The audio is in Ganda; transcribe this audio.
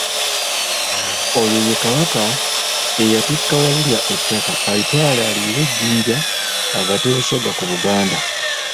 Oyo ye Kabaka eyatikka Walulya ettaka alitwale aliyiwe e Jjinja agatte Busoga ku Buganda.